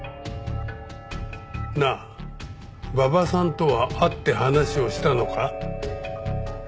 なあ馬場さんとは会って話をしたのか？